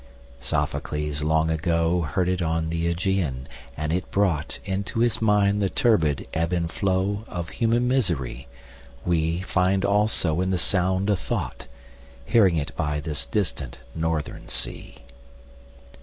Sophocles long agoHeard it on the Ægæan, and it broughtInto his mind the turbid ebb and flowOf human misery; weFind also in the sound a thought, Hearing it by this distant northern sea.